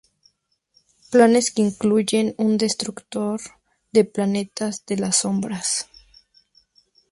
Planes que incluyen un destructor de planetas de las Sombras.